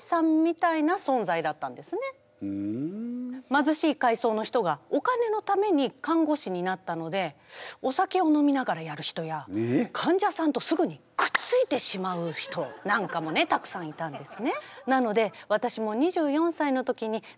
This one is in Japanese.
まずしい階層の人がお金のために看護師になったのでお酒を飲みながらやる人や患者さんとすぐにくっついてしまう人なんかもねたくさんいたんですね。